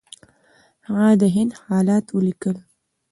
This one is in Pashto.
هغه د هند حالات ولیکل.